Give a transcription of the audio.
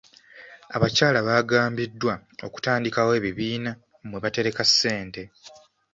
Abakyala baagambiddwa okutandikawo ebibiina mwe batereka ssente.